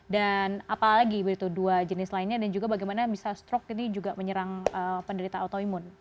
dan apa lagi begitu dua jenis lainnya dan juga bagaimana bisa stroke ini juga menyerang penderita autoimun